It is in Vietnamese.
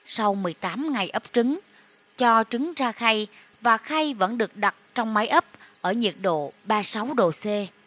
sau một mươi tám ngày ấp trứng cho trứng ra khay và khay vẫn được đặt trong máy ấp ở nhiệt độ ba mươi sáu độ c